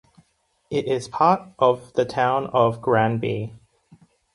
It is part of the town of Granby.